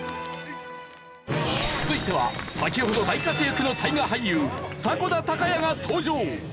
続いては先ほど大活躍の大河俳優迫田孝也が登場！